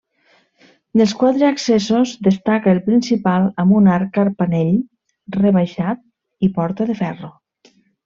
Dels quatre accessos destaca el principal amb un arc carpanell rebaixat i porta de ferro.